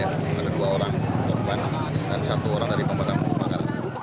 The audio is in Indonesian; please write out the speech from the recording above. ada dua orang korban dan satu orang dari pemadam kebakaran